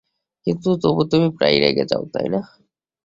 কিন্তু তবু তুমি প্রায়ই রেগে যাও, তাই না?